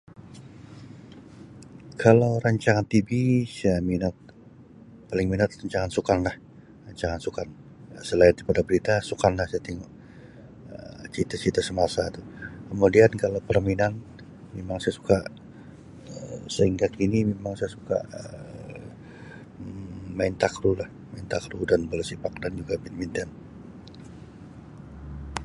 Kalau rancangan TV saya minat paling minat rancangan sukan lah rancangan sukan selain daripada berita sukan lah saya tingu Um cerita-cerita semasa tu kemudian kalau perminan mimang saya suka Um sehingga kini mimang saya suka Um main takraw lah main takraw dan bola sepak dan juga badminton.